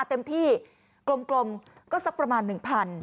เต็มที่กลมก็สักประมาณ๑๐๐